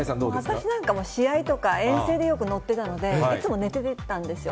私なんか試合とか、遠征でよく乗ってたので、いつも寝てたんですよ。